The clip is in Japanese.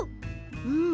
うん。